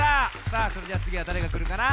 さあそれではつぎはだれがくるかな？